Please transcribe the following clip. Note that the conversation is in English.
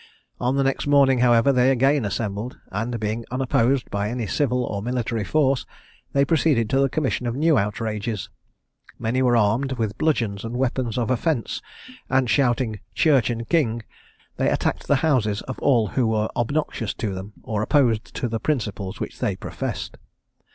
On the next morning, however, they again assembled, and being unopposed by any civil or military force, they proceeded to the commission of new outrages. Many were armed with bludgeons and weapons of offence, and shouting "Church and King," they attacked the houses of all who were obnoxious to them, or opposed to the principles which they professed.